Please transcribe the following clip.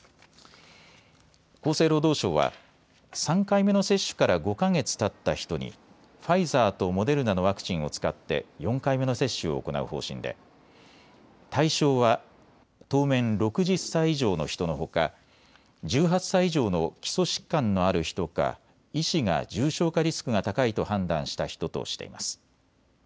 厚生労働省は３回目の接種から５か月たった人にファイザーとモデルナのワクチンを使って４回目の接種を行う方針で対象は当面、６０歳以上の人のほか１８歳以上の基礎疾患のある人か医師が重症化リスクが高いと判断した人としています。